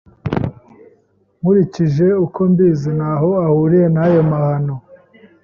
Nkurikije uko mbizi, ntaho ahuriye n'ayo mahano.